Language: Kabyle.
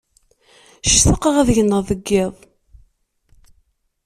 Ctaqeɣ ad gneɣ deg yiḍ.